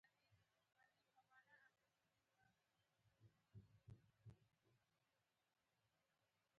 خطرناک رول لوبولای شي.